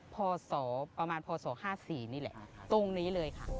พศประมาณพศ๕๔นี่แหละตรงนี้เลยค่ะ